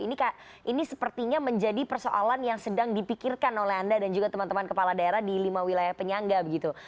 ini sepertinya menjadi persoalan yang sedang dipikirkan oleh anda dan juga teman teman kepala daerah di lima wilayah penyangga begitu